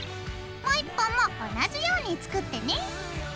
もう１本も同じように作ってね。